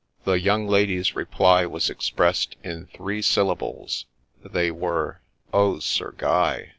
The young lady's reply was expressed in three syl lables. They were, —' Oh, Sir Guy